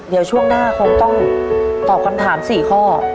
เดี๋ยวช่วงหน้าคงต้องตอบคำถาม๔ข้อ